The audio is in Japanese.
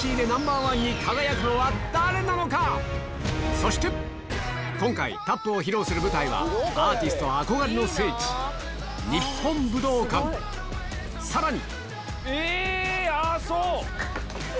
そして今回タップを披露する舞台はアーティスト憧れの聖地さらに！